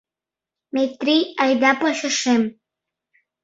Метрий, айда почешем!